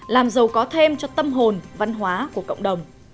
làm giàu có thêm cho tâm hồn văn hóa của cộng đồng